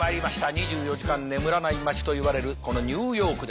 ２４時間眠らない街といわれるこのニューヨークです。